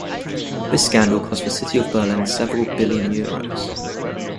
This scandal cost the city of Berlin several billion euros.